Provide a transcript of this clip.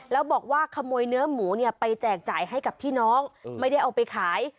แล้วบอกว่าขโมยเนื้อหมูเนี่ยไปแจกจ่ายให้กับพี่น้องไม่ได้เอาไปขาย